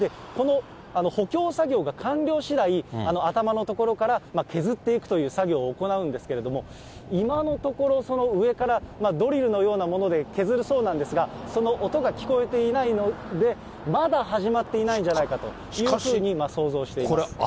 この補強作業が完了しだい、頭の所から削っていくという作業を行うんですけれども、今のところ、上からドリルのようなもので削るそうなんですが、その音が聞こえていないので、まだ始まっていないんじゃないかというふうに想像しています。